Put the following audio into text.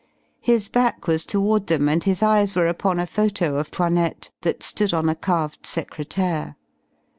His back was toward them and his eyes were upon a photo of 'Toinette that stood on a carved secrétaire.